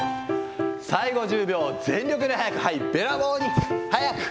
最後１０秒、全力で速く入る、べらぼうに速く。